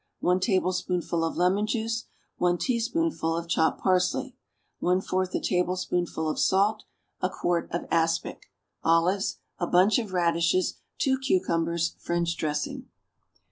1 tablespoonful of lemon juice. 1 teaspoonful of chopped parsley. 1/4 a tablespoonful of salt. 1 quart of aspic. Olives. A bunch of radishes. 2 cucumbers. French dressing.